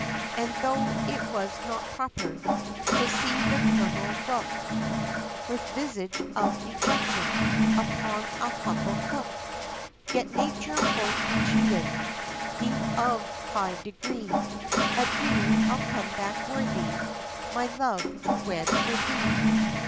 And tho' it was not proper, To see the Colonel, look With visage of dejection, Upon a humble cook, Yet nature won't be cheated, Despite of high degree. "Adieu; I'll come back worthy, My love, to wed with thee."